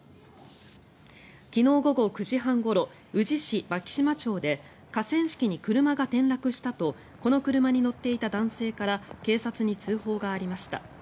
昨日午後９時半ごろ宇治市槇島町で河川敷に車が転落したとこの車に乗っていた男性から警察に通報がありました。